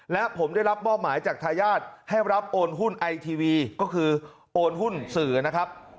และผมได้รับมอบหมายจากทายาทให้รับโอนหุ้นไอทีวีก็คือโอนหุ้นสื่อนะครับ